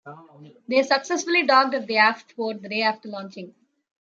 They successfully docked at the aft port the day after launching.